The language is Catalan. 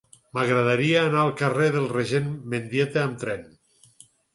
M'agradaria anar al carrer del Regent Mendieta amb tren.